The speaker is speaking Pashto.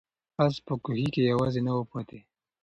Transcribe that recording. آس په کوهي کې یوازې نه و پاتې.